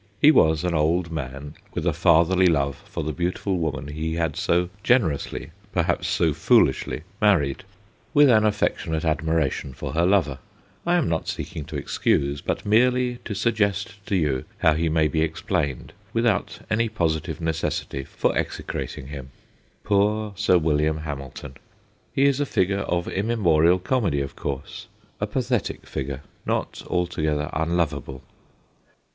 He was an old man with a fatherly love for the beautiful woman he had so generously perhaps so foolishly married, 182 THE GHOSTS OF PICCADILLY with an affectionate admiration for her lover ; I am not seeking to excuse, but merely to suggest to you how he may be explained without any positive necessity for execrating him. Poor Sir William Hamil ton ! He is a figure of immemorial comedy, of course, a pathetic figure, not altogether unlovable.